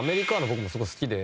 僕もすごい好きで。